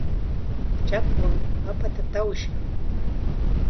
Chakwam papata tawshin.